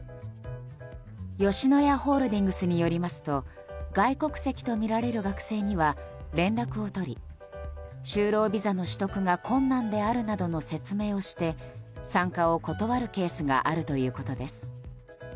吉野家ホールディングスによりますと外国籍とみられる学生には連絡を取り就労ビザの取得が困難であるなどの説明をして参加を断るケースがあるということです。